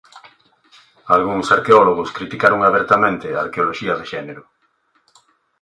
Algúns arqueólogos criticaron abertamente a arqueoloxía de xénero.